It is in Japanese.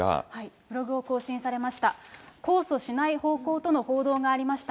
ブログを更新されました。